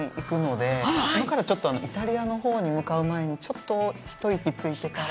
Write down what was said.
今からちょっとイタリアの方に向かう前にちょっと一息ついてから。